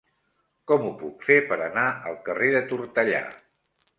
Com ho puc fer per anar al carrer de Tortellà?